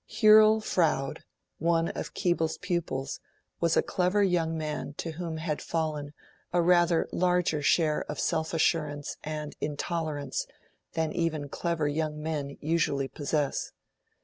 Hurrell Froude, one of Keble's pupils, was a clever young man to whom had fallen a rather larger share of self assurance and intolerance than even clever young men usually possess.